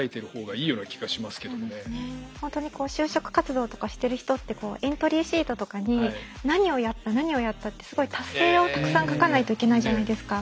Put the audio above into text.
本当にこう就職活動とかしてる人ってエントリーシートとかに何をやった何をやったってすごい達成をたくさん書かないといけないじゃないですか。